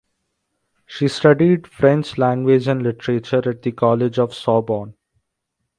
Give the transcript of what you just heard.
She studied French language and literature at the College of Sorbonne.